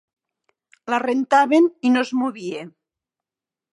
La rentaven i no es movia